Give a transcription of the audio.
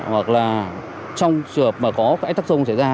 hoặc là trong trường hợp mà có ánh tắc sông xảy ra